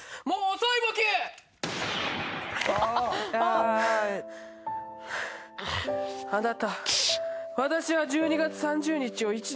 あなた。